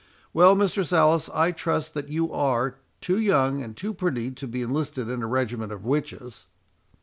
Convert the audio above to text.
—Well, Mistress Alice, I trust that you are too young and too pretty to be enlisted in a regiment of witches."